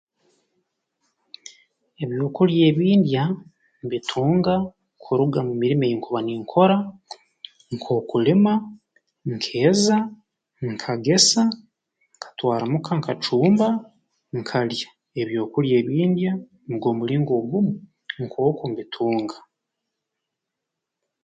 Ebyokulya ebi ndya mbitunga kuruga mu mirimo ei nkuba ninkora nk'okulima nkeeza nkagesa nkatwara mu ka nkacumba nkalya ebyokulya ebi ndya nugw'omulingo ogu nkooku mbitunga